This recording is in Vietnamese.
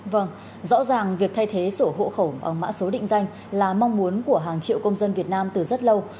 vâng rõ ràng việc thay thế sổ hộ khẩu mã số định danh là mong muốn của hàng triệu công dân việt nam từ rất lâu